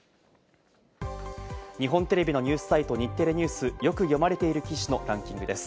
日本テレビのニュースサイト・日テレＮＥＷＳ、よく読まれている記事のランキングです。